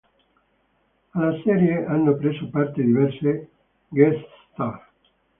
Alla serie hanno preso parte diverse "guest star".